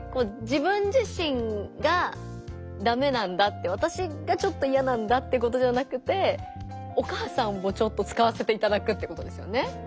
自分自身がダメなんだってわたしがちょっといやなんだってことじゃなくてお母さんもちょっと使わせていただくってことですよね。